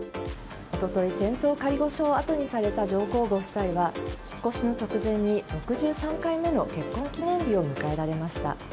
一昨日仙洞仮御所をあとにされた上皇ご夫妻は引っ越しの直前に６３回目の結婚記念日を迎えられました。